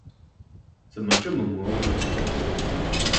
怎么这么模糊？